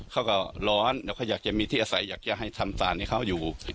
เขาก็ร้อนแล้วก็อยากจะมีที่อาศัยอยากจะให้ทำสารให้เขาอยู่